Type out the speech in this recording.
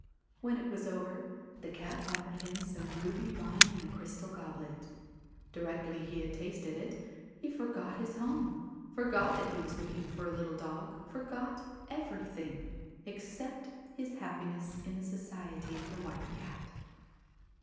When it was over, the cat offered him some ruby wine in a crystal goblet. Directly he had tasted it, he forgot his home, forgot that he was looking for a little dog, forgot everything, except his happiness in the society of the White Cat.